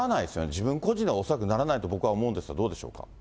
自分個人では恐らくならないと僕は思うんですが、どうでしょうか。